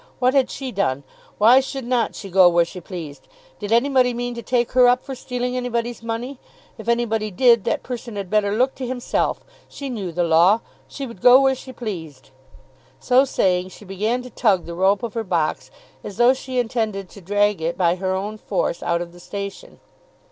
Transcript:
What had she done? Why should not she go where she pleased? Did anybody mean to take her up for stealing anybody's money? If anybody did, that person had better look to himself. She knew the law. She would go where she pleased." So saying she began to tug the rope of her box as though she intended to drag it by her own force out of the station.